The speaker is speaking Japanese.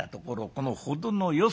この程のよさ。